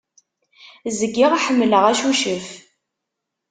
Zgiɣ ḥemmleɣ acucef.